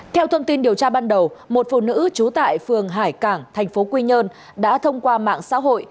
theo thông tin điều tra ban đầu một phụ nữ trú tại phường hải cảng thành phố quy nhơn đã thông qua mạng xã hội